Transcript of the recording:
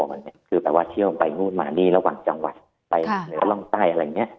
มันคือแปลว่าเที่ยวไปนู่นมานี่ระหว่างจังหวัดไปเหนือร่องใต้อะไรอย่างนี้